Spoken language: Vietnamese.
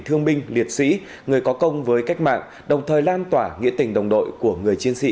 thương binh liệt sĩ người có công với cách mạng đồng thời lan tỏa nghĩa tình đồng đội của người chiến sĩ